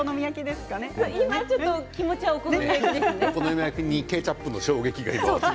お好み焼きにケチャップの衝撃が。